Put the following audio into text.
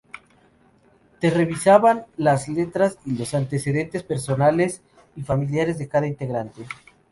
Te revisaban las letras y los antecedentes personales y familiares de cada integrante.